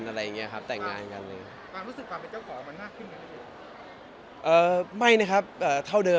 ความรู้สึกความเป็นเจ้าของมันมากขึ้นอย่างไร